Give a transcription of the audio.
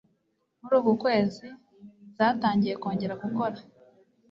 muri uku kwezi zatangiye kongera gukora.